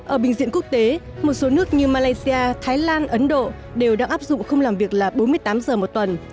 ở bình diện quốc tế một số nước như malaysia thái lan ấn độ đều đang áp dụng không làm việc là bốn mươi tám giờ một tuần